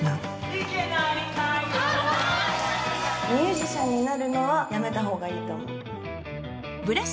イケナイ太陽ミュージシャンになるのはやめたほうがいいと思う。